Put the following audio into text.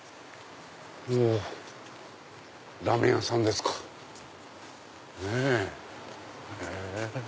うわラーメン屋さんですか。ねぇ。